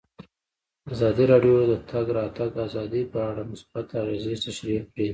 ازادي راډیو د د تګ راتګ ازادي په اړه مثبت اغېزې تشریح کړي.